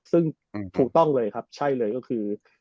ซึ่งถูกต้องเลยครับใช่เลยก็คือ